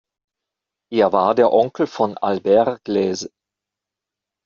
Er war der Onkel von Albert Gleizes.